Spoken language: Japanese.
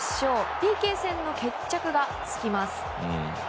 ＰＫ戦の決着がつきます。